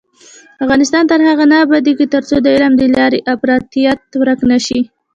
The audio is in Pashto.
افغانستان تر هغو نه ابادیږي، ترڅو د علم له لارې افراطیت ورک نشي.